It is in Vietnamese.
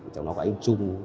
trong đó có anh trung